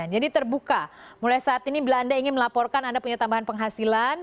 jadi terbuka mulai saat ini bila anda ingin melaporkan anda punya tambahan penghasilan